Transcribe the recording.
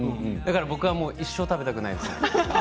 僕は一生食べたくないです。